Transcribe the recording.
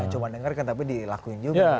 cuma dengerkan tapi dilakuin juga